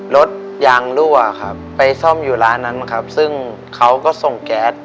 รถยางรั่วครับไปซ่อมอยู่ร้านนั้นครับซึ่งเขาก็ส่งแก๊ส